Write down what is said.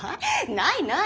ないない。